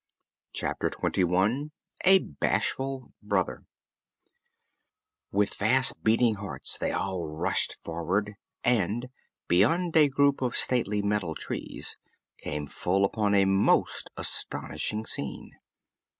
Chapter Twenty One A Bashful Brother With fast beating hearts they all rushed forward and, beyond a group of stately metal trees, came full upon a most astonishing scene.